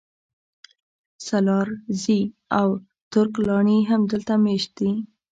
سالارزي او ترک لاڼي هم دلته مېشت دي